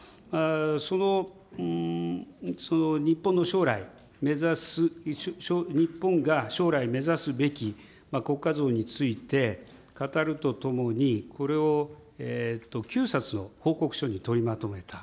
その日本の将来、目指す、日本が将来目指すべき国家像について語るとともに、これを９冊の報告書に取りまとめた。